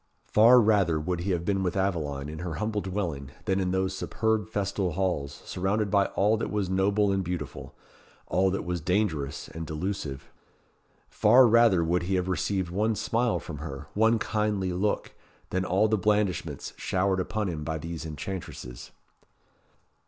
Far rather would he have been with Aveline, in her humble dwelling, than in those superb festal halls, surrounded by all that was noble and beautiful all that was dangerous and delusive. Far rather would he have received one smile from her, one kindly look, than all the blandishments showered upon him by these enchantresses.